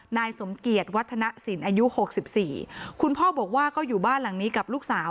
นายสมเกียจวัฒนศิลป์อายุหกสิบสี่คุณพ่อบอกว่าก็อยู่บ้านหลังนี้กับลูกสาว